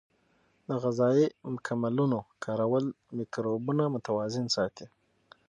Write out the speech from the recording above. د غذایي مکملونو کارول مایکروبونه متوازن ساتي.